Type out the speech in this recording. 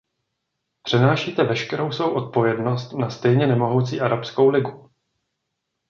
Přenášíte veškerou svou odpovědnost na stejně nemohoucí Arabskou ligu.